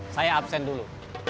saya absen dulu